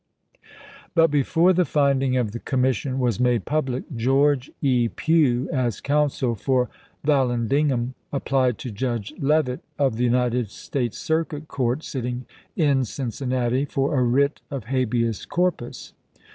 But before the finding of the commission was made public, George E. Pugh, as counsel for Vallandigham, applied to Judge Leavitt of the United States Circuit Court, sitting in Cincinnati, for a writ of habeas corpus.